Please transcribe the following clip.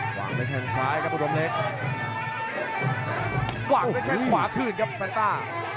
กว่าไปแค่ขวาขึ้นครับแฟนต้า